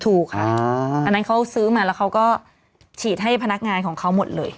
ถูกค่ะอันนั้นเขาซื้อมาแล้วเขาก็ฉีดให้พนักงานของเขาหมดเลย